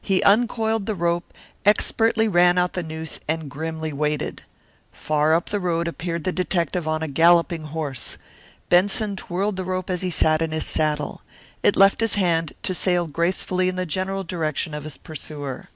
He uncoiled the rope, expertly ran out the noose, and grimly waited. Far up the road appeared the detective on a galloping horse. Benson twirled the rope as he sat in his saddle. It left his hand, to sail gracefully in the general direction of his pursuer.